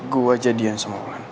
gue jadian sama ulan